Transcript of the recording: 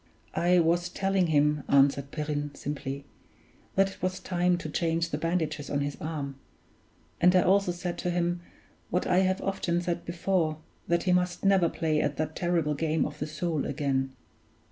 "I was telling him," answered Perrine, simply, "that it was time to change the bandages on his arm; and I also said to him, what I have often said before, that he must never play at that terrible game of the Soule again."